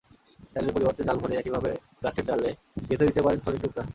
ডালের পরিবর্তে চাল ভরে একইভাবে গাছের ডালে গেঁথে দিতে পারেন ফলের টুকরা।